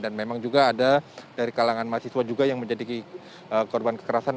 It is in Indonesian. dan memang juga ada dari kalangan mahasiswa juga yang menjadi korban kekerasan